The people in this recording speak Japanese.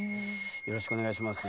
よろしくお願いします。